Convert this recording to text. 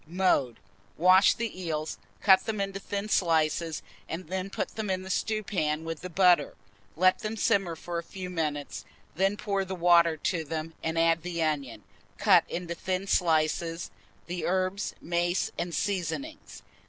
Mode. Wash the eels, cut them into thin slices, and put them in the stewpan with the butter; let them simmer for a few minutes, then pour the water to them, and add the onion, cut in thin slices, the herbs, mace, and seasoning.